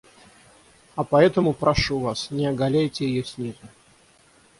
А потому прошу вас, не оголяйте ее снизу.